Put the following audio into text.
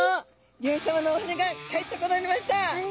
漁師さまのお船が帰ってこられました。